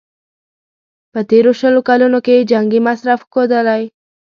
په تېرو شلو کلونو کې یې جنګي مصرف ښودلی.